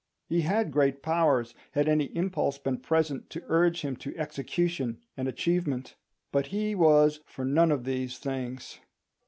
He had great powers, had any impulse been present to urge him to execution and achievement. But he was for none of these things.